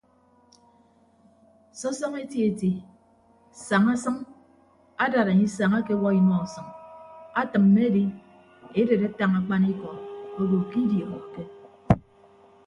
Sọsọñọ eti eti saña sʌñ adad anye isañ akewuo inua usʌñ atịmme edi edet atañ akpanikọ obo ke idiọñọke.